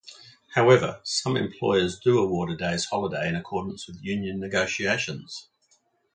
However, some employers do award a day's holiday in accordance with union negotiations.